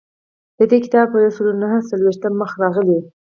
د دې کتاب په یو سل نهه څلویښتم مخ راغلی.